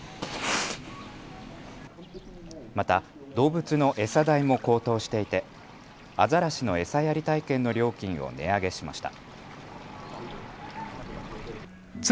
また動物の餌代も高騰していてアザラシの餌やり体験の料金を値上げしました。